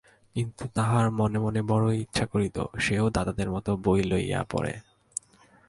কিন্তু তাহার মনে মনে বড়ো ইচ্ছা করিত, সেও দাদাদের মতো বই লইয়া পড়ে।